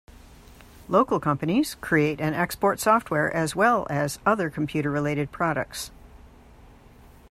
Local companies create and export software as well as other computer-related products.